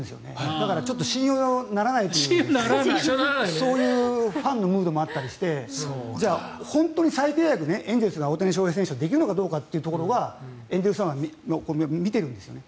だから、信用ならないというそういうファンのムードもあったりしてじゃあ、本当に再契約エンゼルスが大谷選手とできるのかどうかはエンゼルスファンは見ているんですよね。